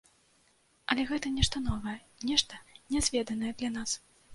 Але гэта нешта новае, нешта нязведанае для нас.